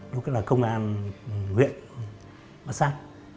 lúc ấy là công an huyện bà sang